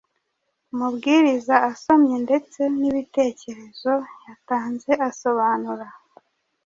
umubwiriza asomye ndetse n’ibitekerezo yatanze ayasobanura,